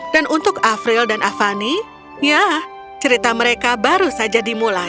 dan untuk avril dan afani ya cerita mereka baru saja dimulai